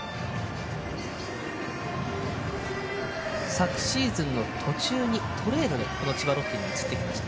昨シーズンの途中のトレードで千葉ロッテに移ってきました。